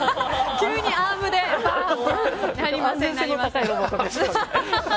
急にアームでなりません。